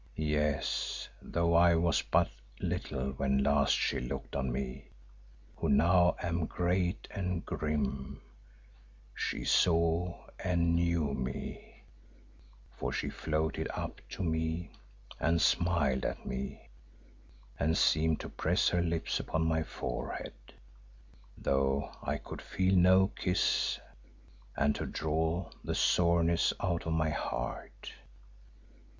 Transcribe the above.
Yes, though I was but little when last she looked on me who now am great and grim, she saw and knew me, for she floated up to me and smiled at me and seemed to press her lips upon my forehead, though I could feel no kiss, and to draw the soreness out of my heart.